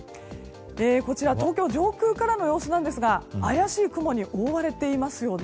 こちら東京上空からの様子なんですが怪しい雲に覆われていますよね。